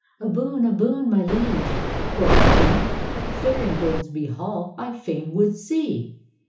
' A boon, a boon, my liege," quoth he, " Fair Ingoldsby Hall I fain would see!